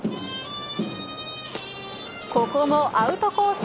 ここもアウトコース